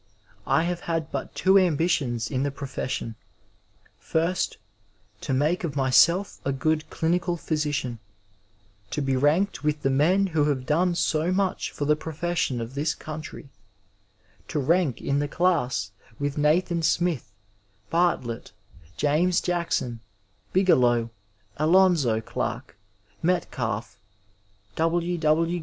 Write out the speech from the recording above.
I have had but two amotions in the profession : first, to make of myself a good clinical physician, to be ranked with the men who have done so much for the profession of this country— to rank in the dass with Nathan Smith, Bartlett, James Jackson, Bigelow, Alonzo .Ckurk, Metcalfe. W. W.